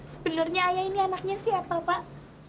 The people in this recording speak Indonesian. sebenarnya ayah ini anaknya siapa pak